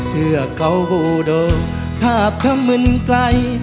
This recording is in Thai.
เทือกเขาบูโดทาบทะมึนไกล